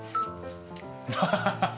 ハハハハ！